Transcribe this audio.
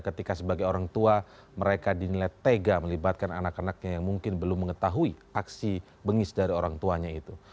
ketika sebagai orang tua mereka dinilai tega melibatkan anak anaknya yang mungkin belum mengetahui aksi bengis dari orang tuanya itu